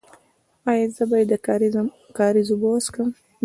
ایا زه باید د کاریز اوبه وڅښم؟